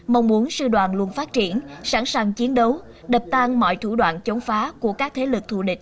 mong muốn sư đoàn luôn phát triển sẵn sàng chiến đấu đập tan mọi thủ đoạn chống phá của các thế lực thù địch